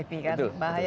itu betul sekali